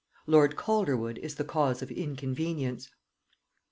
LORD CALDERWOOD IS THE CAUSE OF INCONVENIENCE.